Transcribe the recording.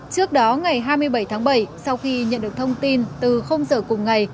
trước đó ngày hai mươi bảy tháng bảy sau khi nhận được thông tin từ giờ cùng ngày